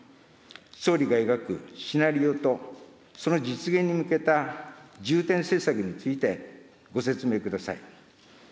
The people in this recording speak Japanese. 総理が描くシナリオと、その実現に向けた重点政策についてご説明ください。